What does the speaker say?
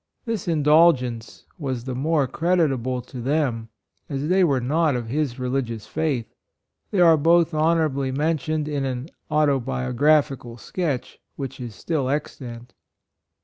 This indulgence was 100 PEESONAL KELIGIOST, the more creditable to them, as they were not of his religious faith. They are both honorably mention ed in an auto biographical sketch which is still extant.